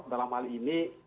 dalam hal ini